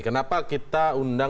kenapa kita undang undang